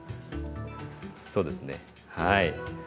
そうですねはい。